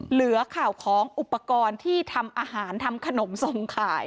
เหลือข่าวของอุปกรณ์ที่ทำอาหารทำขนมทรงขาย